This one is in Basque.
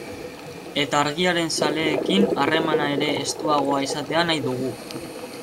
Eta Argiaren zaleekin harremana ere estuagoa izatea nahi dugu.